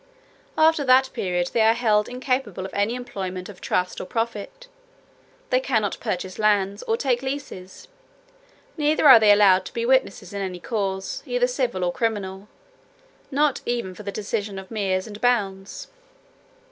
After that period, they are held incapable of any employment of trust or profit; they cannot purchase lands, or take leases; neither are they allowed to be witnesses in any cause, either civil or criminal, not even for the decision of meers and bounds.